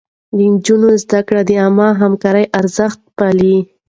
د نجونو زده کړه د عامه همکارۍ ارزښت پالي.